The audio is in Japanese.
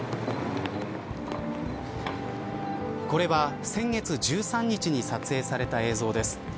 これは先月１３日に撮影された映像です。